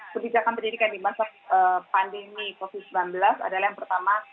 kebijakan pendidikan di masa pandemi covid sembilan belas adalah yang pertama